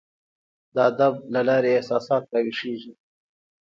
د ادب له لاري احساسات راویښیږي.